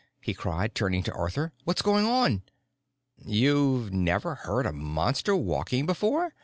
he cried, turning to Arthur. "What's going on?" "You've never heard a Monster walking before?"